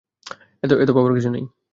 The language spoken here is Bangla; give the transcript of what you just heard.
এতো ভাবার কিছু নেই।